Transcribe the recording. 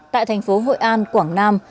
tại thành phố hội an quảng nam